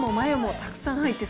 たくさん入ってる。